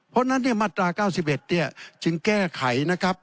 เพราะฉะนั้นมาตรา๙๑จึงแก้ไขนะครับ